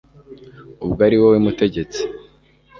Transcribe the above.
ubwo ari wowe Mutegetsi